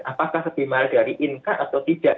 apakah lebih mahal dari inka atau tidak